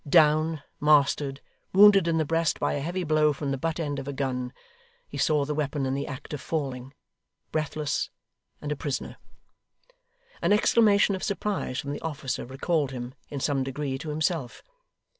Down, mastered, wounded in the breast by a heavy blow from the butt end of a gun (he saw the weapon in the act of falling) breathless and a prisoner. An exclamation of surprise from the officer recalled him, in some degree, to himself.